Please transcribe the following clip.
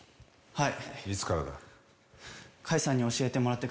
はい。